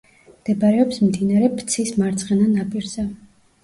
მდებარეობს მდინარე ფცის მარცხენა ნაპირზე.